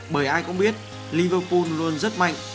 bởi ai cũng biết liverpool luôn rất mạnh